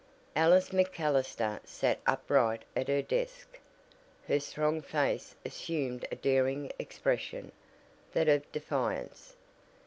Alice MacAllister sat upright at her desk. Her strong face assumed a daring expression that of defiance.